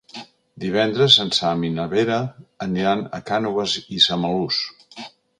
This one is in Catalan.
Divendres en Sam i na Vera aniran a Cànoves i Samalús.